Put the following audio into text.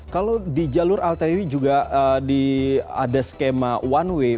kalau di jalur arteri juga ada skema one way